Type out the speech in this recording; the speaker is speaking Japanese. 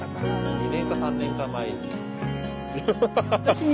２年か３年か前に。